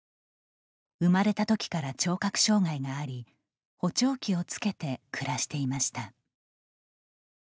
生まれたときから聴覚障害があり補聴器をつけて暮らしていました。